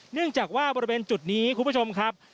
เนื่องจากว่าบริเวณจุดนี้คุณผู้ชมครับ